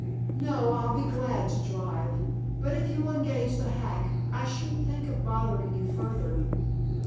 "No, I'll be glad to drive but if you will engage the hack I shouldn't think of bothering you further."